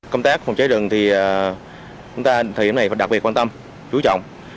công tác phòng cháy rừng thì chúng ta hiện nay đặc biệt quan tâm chú trọng